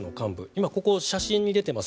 今、ここ写真に出てます